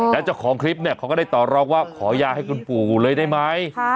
แล้วเจ้าของคลิปเนี่ยเขาก็ได้ต่อรองว่าขอยาให้คุณปู่เลยได้ไหม